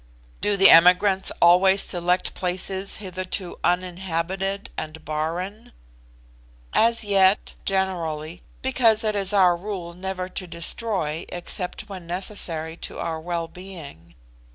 "Do the emigrants always select places hitherto uninhabited and barren?" "As yet generally, because it is our rule never to destroy except when necessary to our well being.